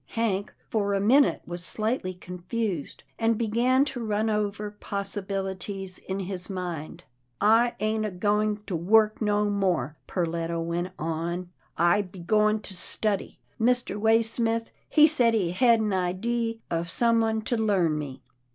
Hank for a minute was slightly confused, and began to run over possibilities in his mind. " I ain't a goin' to work no more," Perletta went on, " I be goin' to study. Mr. Waysmith, he said he hed an idee of someone to learn me."